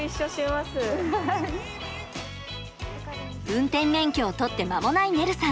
運転免許を取って間もないねるさん。